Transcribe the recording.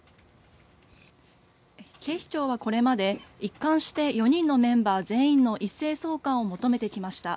警視庁はこれまで一貫して４人のメンバー全員の一斉送還を求めてきました。